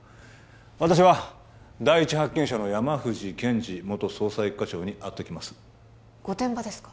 私は第一発見者の山藤憲治元捜査一課長に会ってきます御殿場ですか？